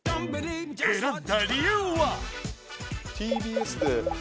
選んだ理由は？